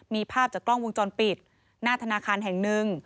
มีภาพจากกล้องวงจรปิดหน้าธนาคารแห่งหนึ่ง